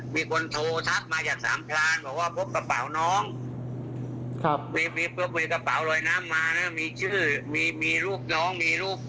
มีกระเป๋าลอยน้ำมามีชื่อมีรูปน้องมีรูป